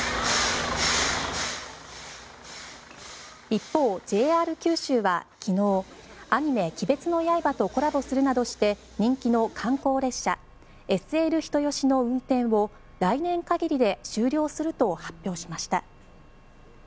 一方、ＪＲ九州は昨日アニメ「鬼滅の刃」とコラボするなどして人気の観光列車、ＳＬ人吉の運転を来年限りで終了すると発表しました。